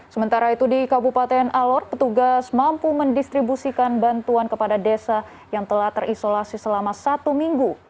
sementara itu di kabupaten alor petugas mampu mendistribusikan bantuan kepada desa yang telah terisolasi selama satu minggu